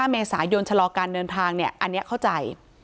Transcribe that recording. ๕เมษายนชะลอการเดินทางอันนี้เข้าใจ